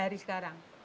tiga belas hari sekarang